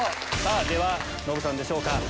ではノブさんでしょうか？